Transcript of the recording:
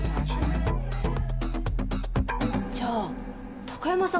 じゃあ貴山さん